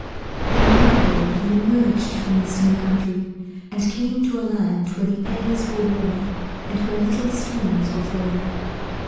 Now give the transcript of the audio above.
Then one day he emerged from the snow country and came to a land where the airs were warmer and where little streams were flowing.